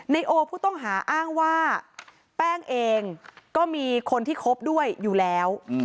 โอผู้ต้องหาอ้างว่าแป้งเองก็มีคนที่คบด้วยอยู่แล้ว